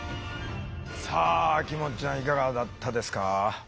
さあ秋元ちゃんいかがだったですか？